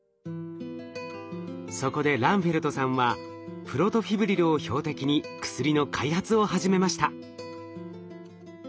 そこでランフェルトさんはプロトフィブリルを標的に薬の開発を始めました。